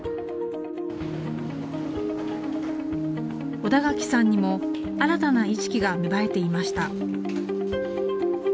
小田垣さんにも新たな意識が芽生えていました。